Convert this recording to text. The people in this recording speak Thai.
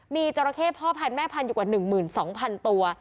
มีจราเข้พ่อพันธุแม่พันธุอยู่กว่า๑๒๐๐๐ตัว